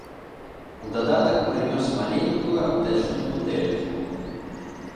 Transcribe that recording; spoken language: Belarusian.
У дадатак прынёс маленькую аптэчную бутэлечку.